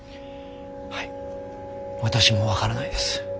はい私も分からないです。